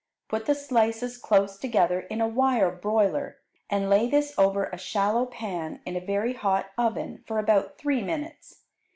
Put the slices close together in a wire broiler, and lay this over a shallow pan in a very hot oven for about three minutes.